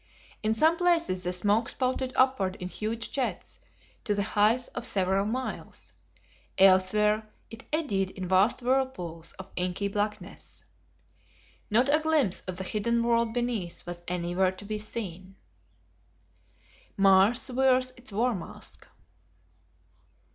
In some places the smoke spouted upward in huge jets to the height of several miles; elsewhere it eddied in vast whirlpools of inky blackness. Not a glimpse of the hidden world beneath was anywhere to be seen. Mars Wears Its War Mask.